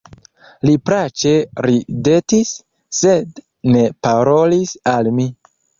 Li plaĉe ridetis, sed ne parolis al mi.